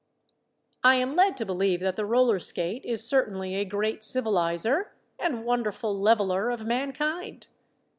I am led to believe that the roller skate is certainly a great civilizer and a wonderful leveler of mankind.